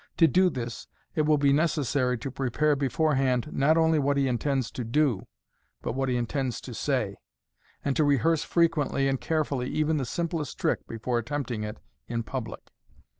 To do this, it will be necessary to prepare beforehand not only what he intends to do, but what he intends to say, and to rehearse frequently and carefully even the simplest trick before attempting it in public.